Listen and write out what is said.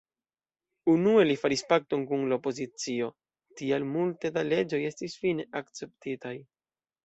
Unue li faris pakton kun la opozicio, tial multe da leĝoj estis fine akceptitaj.